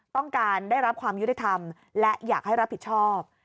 ต้องการได้รับความยุติธรรมและอยากให้รับผิดชอบ